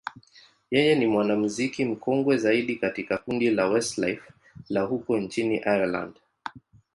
yeye ni mwanamuziki mkongwe zaidi katika kundi la Westlife la huko nchini Ireland.